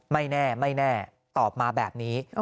ไม่แน่ไม่แน่ตอบมาแบบนี้